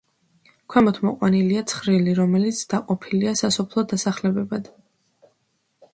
ქვემოთ მოყვანილია ცხრილი, რომელიც დაყოფილია სასოფლო დასახლებებად.